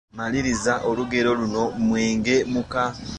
Maliriza olugero luno: Mwenge muka, ….